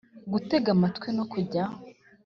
Gutega amatwi no kujya